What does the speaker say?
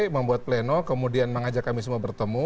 membuat pleno kemudian mengajak kami semua bertemu